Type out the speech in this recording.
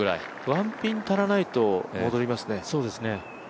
ワンピン足らないと、戻りますね。